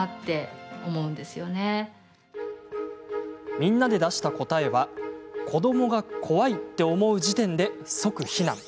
みんなで出した答えは子どもが「怖い！」って思う時点で即避難。